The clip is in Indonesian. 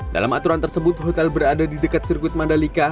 dalam aturan tersebut hotel berada di dekat sirkuit mandalika